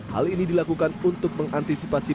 hal ini dilakukan untuk mengantisipasi